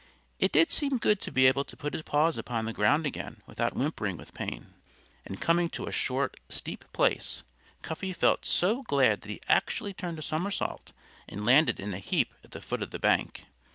It did seem good to be able to put his paws upon the ground again without whimpering with pain. And coming to a short, steep place, Cuffy felt so glad that he actually turned a somersault and landed in a heap at the foot of the bank.